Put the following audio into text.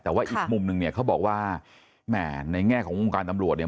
แต่ว่าอีกมุมนึงเนี่ยเขาบอกว่าแหม่ในแง่ของวงการตำรวจเนี่ย